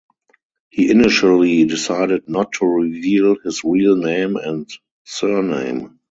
He initially decided not to reveal his real name and surname.